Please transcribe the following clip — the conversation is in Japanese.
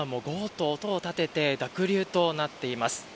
今も音を立てて濁流となっています。